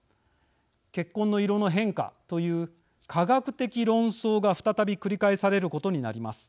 血痕の色の変化という化学的論争が再び繰り返されることになります。